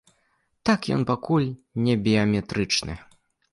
Так, ён пакуль не біяметрычны.